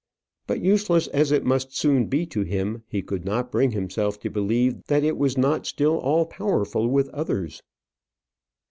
But useless as it must soon be to him, he could not bring himself to believe that it was not still all powerful with others.